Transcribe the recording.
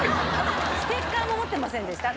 ステッカーも持ってませんでした？